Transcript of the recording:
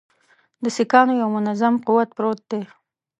د سیکهانو یو منظم قوت پروت دی.